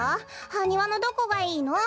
ハニワのどこがいいの？